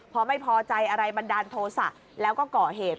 พอไม่พอใจอะไรบันดาลโทษะแล้วก็ก่อเหตุ